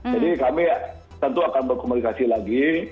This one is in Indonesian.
jadi kami tentu akan berkomunikasi lagi